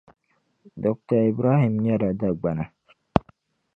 Dr. Ibrahim nyɛla Dagbana